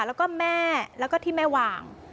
แล้วก็แม่แล้วก็ที่แม่วาง